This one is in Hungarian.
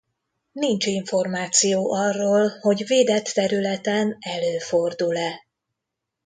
Nincs információ arról hogy védett területen előfordul-e.